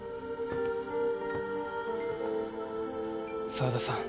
澤田さん。